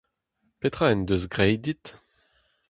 Petra en deus graet dit ?